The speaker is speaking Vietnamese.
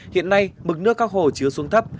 hiện nay mực nước các hồ chứa xuống thấp